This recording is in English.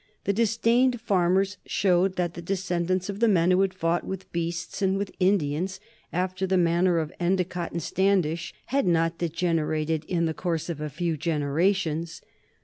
The disdained farmers showed that the descendants of the men who had fought with beasts and with Indians after the manner of Endicott and Standish had not degenerated in the course of a few generations.